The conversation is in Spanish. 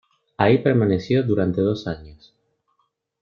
Ahí permaneció durante dos años.